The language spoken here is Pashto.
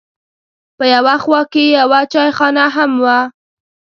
په یوه خوا کې یوه چایخانه هم وه.